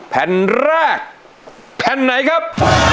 แผ่นแรกแผ่นไหนครับ